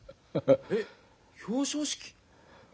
えっ表彰式？